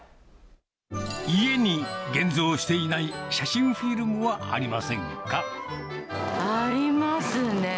家に現像していない写真フィありますね。